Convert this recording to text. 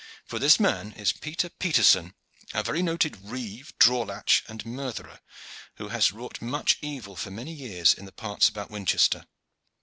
"For this man is Peter Peterson, a very noted rieve, draw latch, and murtherer, who has wrought much evil for many years in the parts about Winchester.